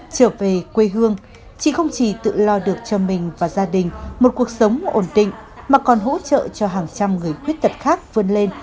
trở về quê hương chị không chỉ tự lo được cho mình và gia đình một cuộc sống ổn định mà còn hỗ trợ cho hàng trăm người khuyết tật khác vươn lên